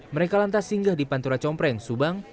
mereka lantas singgah di pantura compreng subang